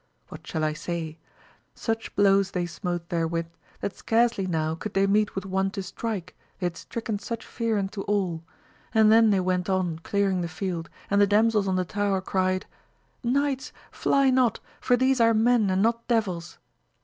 What shall I say ? Such blows they smote therewith that scarcely now could they meet with one to strike they had stricken such fear into all, and then they went on clearing the field, and the damsels on the tower cried, Knights, fly not ! for these are men and not devils